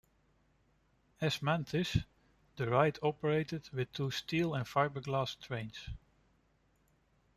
As Mantis, the ride operated with two steel and fiberglass trains.